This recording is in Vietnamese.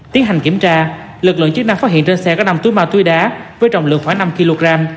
tiến hành kiểm tra lực lượng chức năng phát hiện trên xe có năm túi ma túy đá với trọng lượng khoảng năm kg